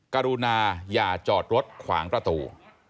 กรุณาอย่าจอดรถขวางประตู